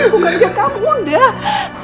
bukan bukan kamu udharsana